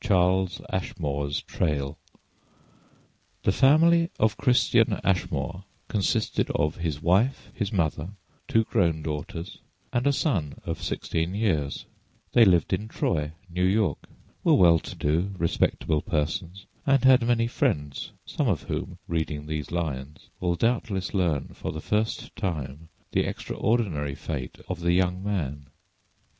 CHARLES ASHMORE'S TRAIL THE family of Christian Ashmore consisted of his wife, his mother, two grown daughters, and a son of sixteen years. They lived in Troy, New York, were well to do, respectable persons, and had many friends, some of whom, reading these lines, will doubtless learn for the first time the extraordinary fate of the young man.